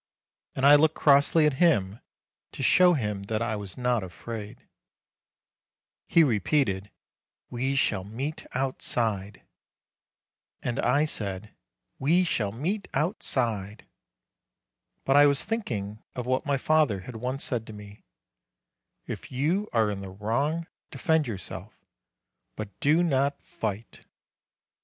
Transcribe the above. And I looked crossly at him, to show him that I was not afraid. i86 MARCH He repeated, "We shall meet outside !" And I said, 'We shall meet outside!" But I was thinking of what my father had once said to me, "If you are in the wrong, defend yourself, but do not fight."